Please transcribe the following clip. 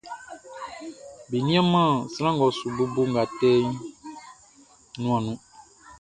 Be nianman sran ngʼɔ su bobo nʼgatɛ nuanʼn nun.